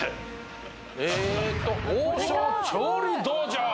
えと王将調理道場